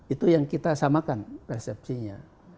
itu yang kita samakan persepsinya